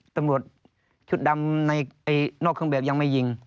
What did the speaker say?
ตำรวจชุดดำในนอกเครื่องแบบยังไม่ยิง